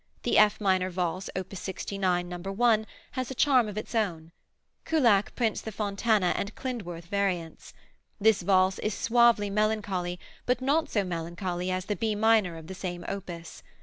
The F minor Valse, op. 69, No. 1, has a charm of its own. Kullak prints the Fontana and Klindworth variants. This valse is suavely melancholy, but not so melancholy as the B minor of the same opus.